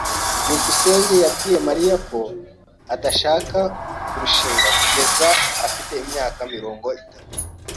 byukusenge yabwiye Mariya ko adashaka kurushinga kugeza afite imyaka mirongo itatu.